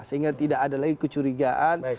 sehingga tidak ada lagi kecurigaan